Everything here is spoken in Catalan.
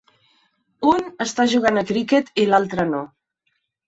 Un està jugant a criquet i l'altre no.